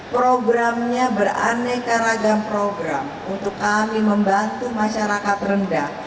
programnya beraneka ragam program untuk kami membantu masyarakat rendah